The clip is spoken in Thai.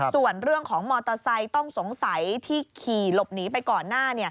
ส่วนเรื่องของมอเตอร์ไซค์ต้องสงสัยที่ขี่หลบหนีไปก่อนหน้า